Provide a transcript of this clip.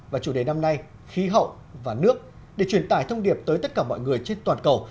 và chủ đề năm nay khí hậu và nước để truyền tải thông điệp tới tất cả mọi người trên toàn cầu